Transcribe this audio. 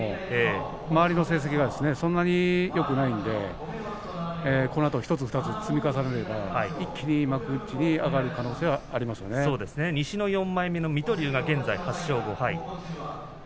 周りの成績がそんなによくないんでこのあと１つ２つ積み重ねれば一気に幕内に上がる可能性は水戸龍が８勝５敗。